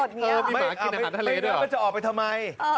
เออมีหมากกินอาหารทะเลด้วยเหรอมันจะออกไปทำไม